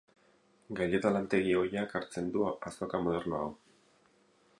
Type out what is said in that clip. Gaileta lantegi ohiak hartzen du azoka moderno hau.